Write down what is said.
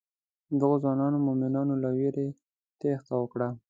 دغو ځوانو مومنانو له وېرې تېښته وکړه.